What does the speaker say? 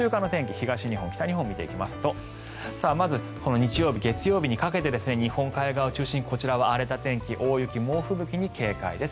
東日本、西日本を見ていきますとまず日曜日、月曜日にかけて日本海側を中心に荒れた天気大雪、猛吹雪に警戒です。